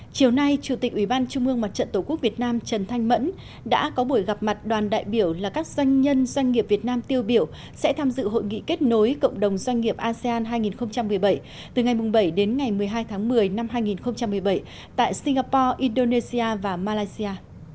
chiều nay chủ tịch ủy ban trung ương mặt trận tổ quốc việt nam trần thanh mẫn đã có buổi gặp mặt đoàn đại biểu là các doanh nhân doanh nghiệp việt nam tiêu biểu sẽ tham dự hội nghị kết nối cộng đồng doanh nghiệp asean hai nghìn một mươi bảy từ ngày bảy đến ngày một mươi hai tháng một mươi năm hai nghìn một mươi bảy tại singapore indonesia và malaysia